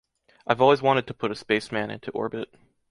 I've always wanted to put a spaceman into orbit.